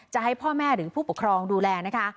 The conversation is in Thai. จะให้พ่อแม่หรือผู้ปกครองดูแลนะคะ